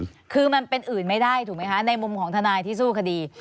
คือมันเป็นอื่นไม่ได้ถูกไหมคะในมุมของทนายที่สู้คดี